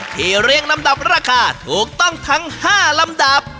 เรียงลำดับราคาถูกต้องทั้ง๕ลำดับ